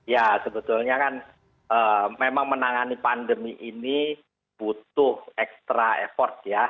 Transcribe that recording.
ya sebetulnya kan memang menangani pandemi ini butuh extra effort ya